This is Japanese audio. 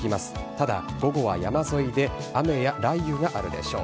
ただ、午後は山沿いで雨や雷雨があるでしょう。